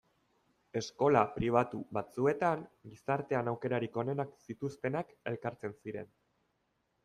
Eskola pribatu batzuetan gizartean aukerarik onenak zituztenak elkartzen ziren.